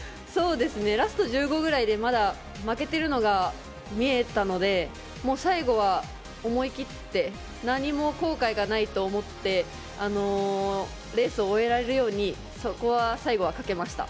ラスト１５ぐらいでまだ負けてるのが見えたので最後は思い切って何も後悔がないと思ってレースを終えられるように最後はかけました。